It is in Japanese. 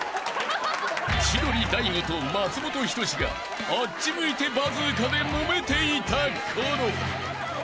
［千鳥大悟と松本人志があっち向いてバズーカでもめていた頃］